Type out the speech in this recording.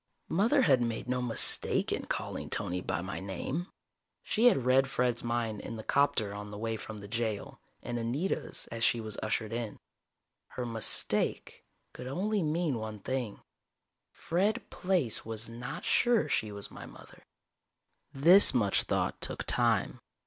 Mother had made no "mistake" in calling Tony by my name. She had read Fred's mind in the 'copter on the way from the jail, and Anita's as she was ushered in. Her "mistake" could only mean one thing Fred Plaice was not sure she was my mother. This much thought took time.